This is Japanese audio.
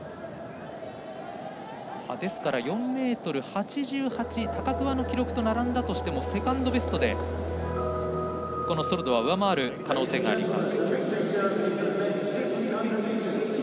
ですから４ｍ８８と高桑の記録と並んだとしてもセカンドベストでソルドは上回る可能性があります。